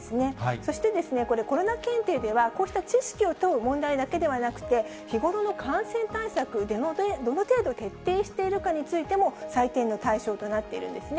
そしてこれ、コロナ検定では、こうした知識を問う問題だけではなくて、日頃の感染対策、どの程度徹底しているかについても、採点の対象となっているんですね。